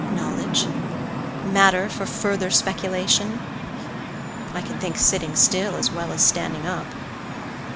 — Knowledge? Matter for further speculation? I can think sitting still as well as standing up.